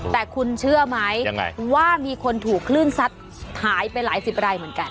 แต่คุณเชื่อไหมว่ามีคนถูกคลื่นซัดหายไปหลายสิบรายเหมือนกัน